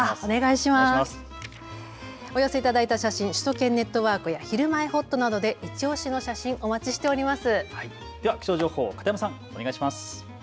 お寄せいただいた写真は首都圏ネットワークやひるまえほっとなどでいちオシの写真お待ちしています。